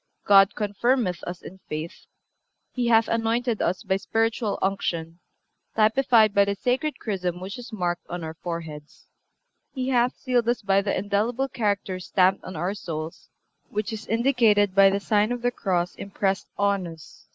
(357) God confirmeth us in faith; He hath anointed us by spiritual unction, typified by the sacred chrism which is marked on our foreheads. He hath sealed us by the indelible character stamped on our souls, which is indicated by the sign of the cross impressed on us.